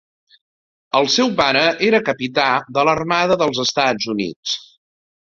El seu pare era capità de l'Armada dels Estats Units.